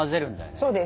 そうです。